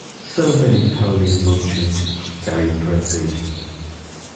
So many ponies munching; very pretty!